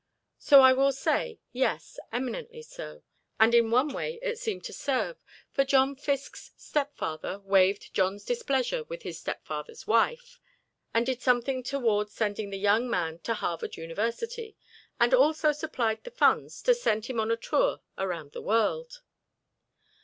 So I will say, yes, eminently so; and in one way it seemed to serve, for John Fiske's stepfather waived John's displeasure with his stepfather's wife, and did something toward sending the young man to Harvard University, and also supplied the funds to send him on a tour around the world.